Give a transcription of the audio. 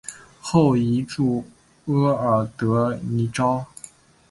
后移驻额尔德尼召。